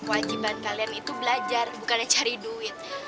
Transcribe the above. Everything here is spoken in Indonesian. kewajiban kalian itu belajar bukannya cari duit